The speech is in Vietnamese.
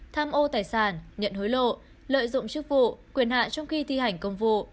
tham ô tài sản nhận hối lộ lợi dụng chức vụ quyền hạn trong khi thi hành công vụ